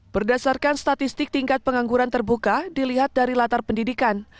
berdasarkan statistik tingkat pengangguran terbuka dilihat dari latar pendidikan